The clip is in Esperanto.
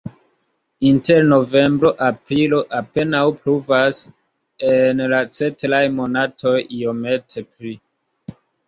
Inter novembro-aprilo apenaŭ pluvas, en la ceteraj monatoj iomete pli.